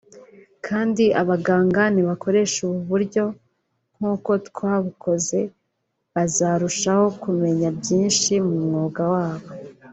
kandi abaganga nibakoresha ubu buryo nkuko twabukoze bazarushaho kumenya byinshi mu mwuga wabo